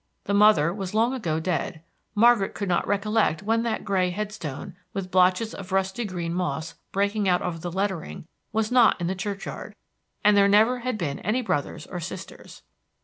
The mother was long ago dead; Margaret could not recollect when that gray headstone, with blotches of rusty green moss breaking out over the lettering, was not in the churchyard; and there never had been any brothers or sisters.